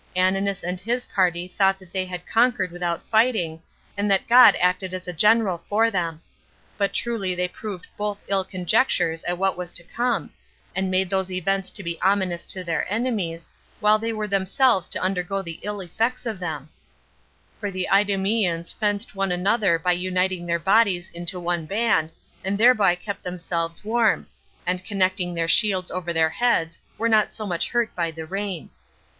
Ananus and his party thought that they had conquered without fighting, and that God acted as a general for them; but truly they proved both ill conjectures at what was to come, and made those events to be ominous to their enemies, while they were themselves to undergo the ill effects of them; for the Idumeans fenced one another by uniting their bodies into one band, and thereby kept themselves warm, and connecting their shields over their heads, were not so much hurt by the rain.